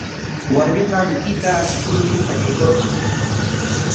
Warmiqa mikuyta ashikurmi qallaykurqan.